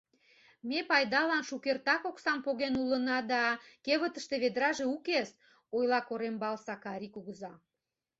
— Ме пайданлан шукертак оксам поген улына да кевытыште ведраже укес! — ойла Корембал Сакари кугыза.